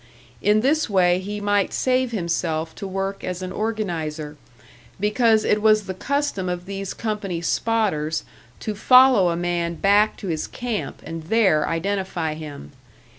In this way he might save himself to work as an organiser; because it was the custom of these company "spotters" to follow a man back to his camp and there identify him.